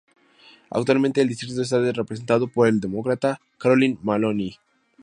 Actualmente el distrito está representado por la Demócrata Carolyn Maloney.